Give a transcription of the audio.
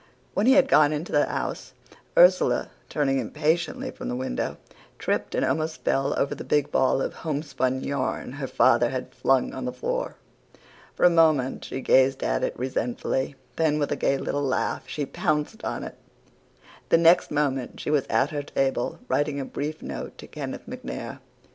"When he had gone into the house, Ursula, turning impatiently from the window, tripped and almost fell over the big ball of homespun yarn her father had flung on the floor. For a moment she gazed at it resentfully then, with a gay little laugh, she pounced on it. The next moment she was at her table, writing a brief note to Kenneth MacNair.